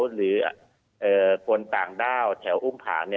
หรือคนต่างด้าวแถวอุ้มผา